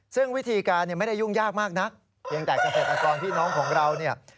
ซึ่งวิธีการเนี่ยไม่ได้ยุ่งยากมากนักเพียงแต่เกษตรกรพี่น้องของเราเนี่ย